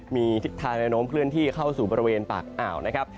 มีทิศทานอนมพื้นที่เข้าสู่บริเวณปากอ่าวนะครับ